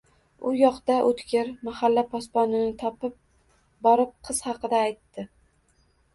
U yoqda O`tkir mahalla posbonini topib borib, qiz haqida aytdi